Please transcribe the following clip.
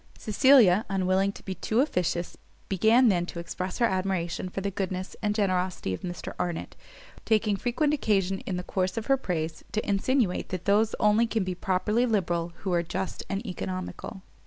Cecilia, unwilling to be too officious, began then to express her admiration of the goodness and generosity of Mr Arnott; taking frequent occasion, in the course of her praise, to insinuate that those only can be properly liberal, who are just and economical.